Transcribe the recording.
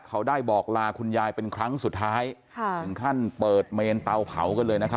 เขาได้บอกลาคุณยายเป็นครั้งสุดท้ายค่ะถึงขั้นเปิดเมนเตาเผากันเลยนะครับ